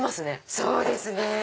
そうですね。